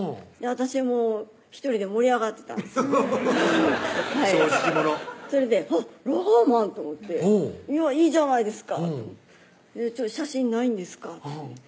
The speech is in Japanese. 私も１人で盛り上がってたんです正直者それでラガーマン！と思って「いいじゃないですか写真ないんですか？」